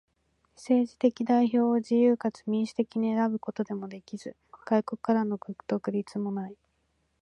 政治的代表を自由かつ民主的に選ぶこともできず、外国からの独立もない。